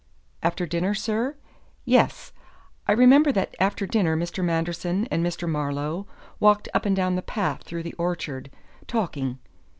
"After dinner, sir? yes. I remember that after dinner Mr. Manderson and Mr. Marlowe walked up and down the path through the orchard, talking.